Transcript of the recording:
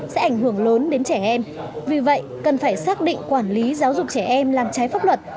sẽ ảnh hưởng lớn đến trẻ em vì vậy cần phải xác định quản lý giáo dục trẻ em làm trái pháp luật